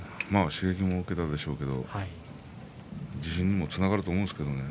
刺激も受けたでしょうけど自信にもつながると思うんですけどね。